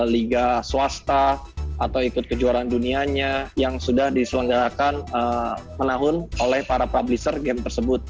liga swasta atau ikut kejuaraan dunianya yang sudah diselenggarakan menahun oleh para publisher game tersebut